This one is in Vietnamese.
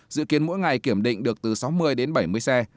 dự kiến mỗi ngày kiểm định được từ sáu mươi đến bảy mươi xe